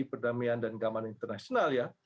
perdamaian dan keamanan internasional